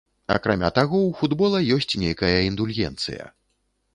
Акрамя таго, у футбола ёсць нейкая індульгенцыя.